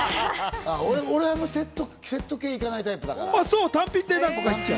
俺はセット系、行かないタイプだから。